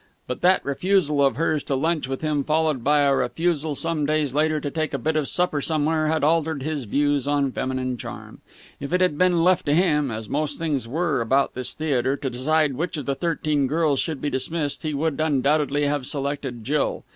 But that refusal of hers to lunch with him, followed by a refusal some days later to take a bit of supper somewhere, had altered his views on feminine charm. If it had been left to him, as most things were about this theatre, to decide which of the thirteen girls should be dismissed, he would undoubtedly have selected Jill.